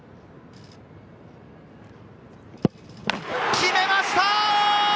決めました！